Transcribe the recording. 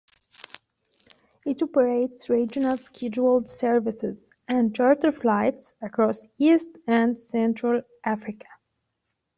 It operates regional scheduled services and charter flights across East and Central Africa.